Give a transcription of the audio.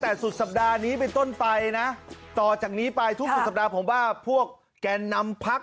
แต่สุดสัปดาห์นี้เป็นต้นไปนะต่อจากนี้ไปทุกสุดสัปดาห์ผมว่าพวกแกนนำพัก